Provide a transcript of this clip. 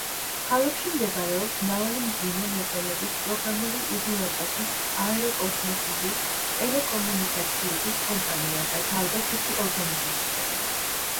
ქალაქში მდებარეობს მრავალი მძიმე მრეწველობის, პროგრამული უზრუნველყოფის, აეროკოსმოსური, ტელეკომუნიკაციების კომპანია და თავდაცვითი ორგანიზაცია.